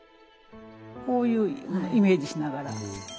こういうのをイメージしながら。